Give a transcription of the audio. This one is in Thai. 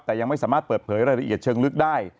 แต่ยังไม่สามารถเปิดเผยรายละเอียดเชิงลึกได้